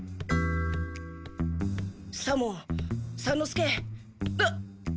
左門三之助あっ！